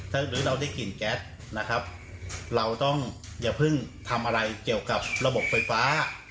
หรือเราได้กลิ่นแก๊สนะครับเราต้องอย่าเพิ่งทำอะไรเกี่ยวกับระบบไฟฟ้า